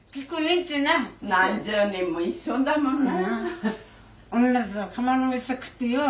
何十年も一緒だもんな。